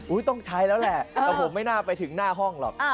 ต้องใช้แล้วแหละแต่ผมไม่น่าไปถึงหน้าห้องหรอก